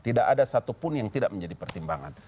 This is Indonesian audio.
tidak ada satu pun yang tidak menjadi pertimbangan